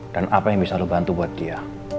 dan apa yang bisa lo bantu buat dia